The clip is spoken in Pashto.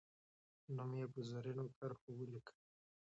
نوم یې په زرینو کرښو ولیکه.